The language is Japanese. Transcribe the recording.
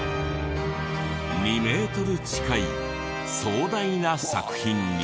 ２メートル近い壮大な作品に。